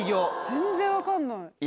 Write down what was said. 全然分かんない。